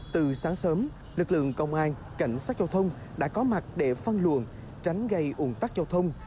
từ sáng sớm lực lượng công an cảnh sát giao thông đã có mặt để phân luồn tránh gây ủn tắc giao thông